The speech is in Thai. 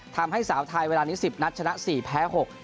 ทำให้สาวไทยเวลานี้๑๐นัดชนะ๔แพ้๖